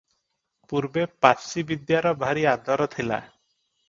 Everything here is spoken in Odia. "ପୂର୍ବେ ପାର୍ସିବିଦ୍ୟାର ଭାରି ଆଦର ଥିଲା ।